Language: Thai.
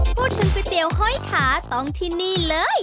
ก๋วยเตี๋ยวห้อยขาต้องที่นี่เลย